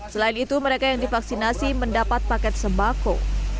selain itu mereka yang divaksinasi mendapat paket sembako